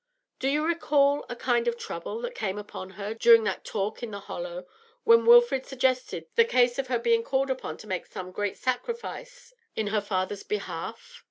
Do you recall a kind of trouble that came upon her, during that talk in the hollow, when Wilfrid suggested the case of her being called upon to make some great sacrifice in her father's behalf?